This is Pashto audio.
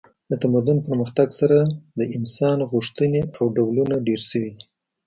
د تمدن پرمختګ سره د انسان غوښتنې او ډولونه ډیر شوي دي